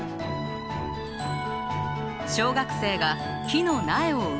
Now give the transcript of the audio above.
小学生が木の苗を植えています。